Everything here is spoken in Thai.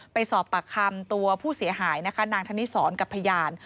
ไปสอบปากคำตัวผู้เสียหายนะคะนางธนิสรกับพยาน